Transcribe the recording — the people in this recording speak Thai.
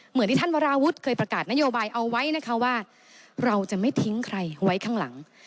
เหมือนที่ท่านวราวุฒิเคยประกาศนโยบายเอาไว้นะคะว่าเราจะไม่ทิ้งใครไว้ข้างหลัง